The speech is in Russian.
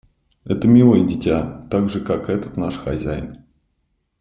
Это милое дитя, так же как этот наш хозяин.